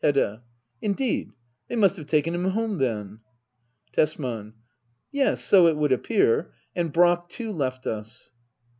[aCT III. Hbdda. Indeed ! They must have taken him home then. Tesman. Yes^ so it would appear. And Bracks too^ left us.